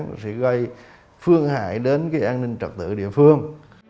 nó sẽ gây phương hại đến cái an ninh trật tự địa phương